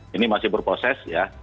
ini masih berproses ya